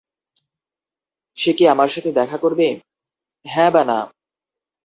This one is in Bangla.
সে কি আমার সাথে দেখা করবে, হ্যাঁ বা না?